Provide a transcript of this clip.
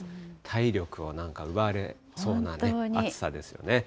体力をなんか奪われそうなね、暑さですよね。